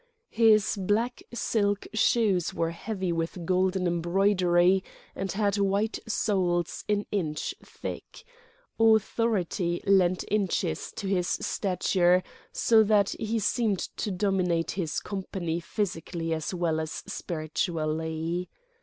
His black silk shoes were heavy with golden embroidery, and had white soles an inch thick. Authority lent inches to his stature, so that he seemed to dominate his company physically as well as spiritually.